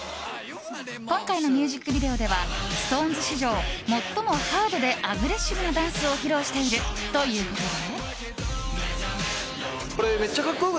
今回のミュージックビデオではＳｉｘＴＯＮＥＳ史上最もハードでアグレッシブなダンスを披露しているということで。